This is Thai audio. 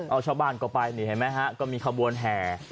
เอาชาวบ้านก็ไปนี่เห็นไหมฮะก็มีขบวนแห่